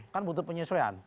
kan butuh penyesuaian